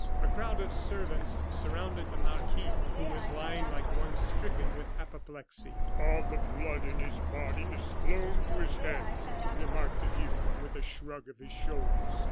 A crowd of servants surrounded the marquis, who was lying like one stricken with apoplexy. "All the blood in his body has flown to his head," remarked the duke, with a shrug of his shoulders.